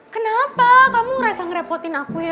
kenapa kamu rasa ngerepotin aku ya